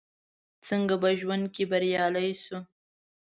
څنګه په ژوند کې بريالي شو ؟